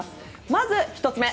まず１つ目